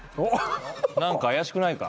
何か怪しくないか？